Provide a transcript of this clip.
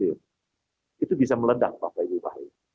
itu bisa meledak bapak ibu